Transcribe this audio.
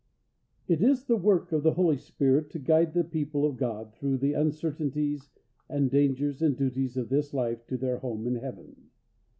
It is the work of the Holy Spirit to guide the people of God through the uncertainties and dangers and duties of this life to their home in Heaven.